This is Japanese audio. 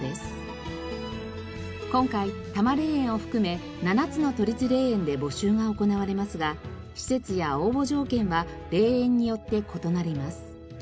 今回多磨霊園を含め７つの都立霊園で募集が行われますが施設や応募条件は霊園によって異なります。